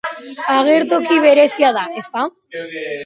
Agertoki berezia da, ezta?